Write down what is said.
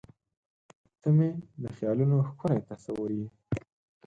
• ته مې د خیالونو ښکلی تصور یې.